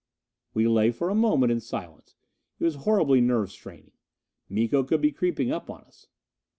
We lay for a moment in silence. It was horribly nerve straining. Miko could be creeping up on us.